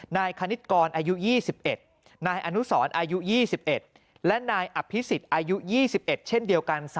คณิตกรอายุ๒๑นายอนุสรอายุ๒๑และนายอภิษฎอายุ๒๑เช่นเดียวกัน